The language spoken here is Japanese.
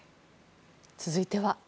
続いては。